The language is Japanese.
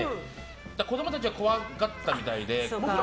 子供たちは怖がったみたいで。